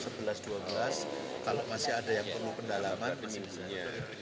kalau masih ada yang perlu pendalaman